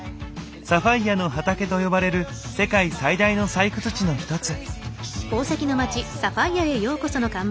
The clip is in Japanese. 「サファイアの畑」と呼ばれる世界最大の採掘地の一つ。